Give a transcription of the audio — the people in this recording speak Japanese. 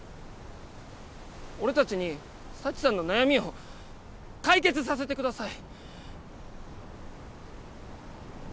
俺たちに佐知さんの悩みを解決させてください！